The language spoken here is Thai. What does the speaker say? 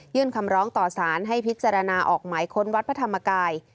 คำร้องต่อสารให้พิจารณาออกหมายค้นวัดพระธรรมกาย